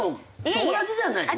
友達じゃないよね？